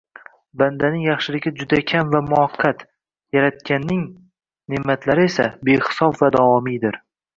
Bandaning yaxshiligi juda kam va muvaqqat, Yaratganning neʼmatlari esa behisob va davomiydir.